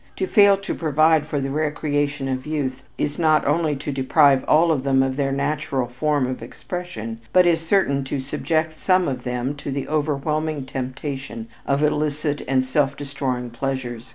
To fail to provide for the recreation of youth, is not only to deprive all of them of their natural form of expression, but is certain to subject some of them to the overwhelming temptation of illicit and soul destroying pleasures.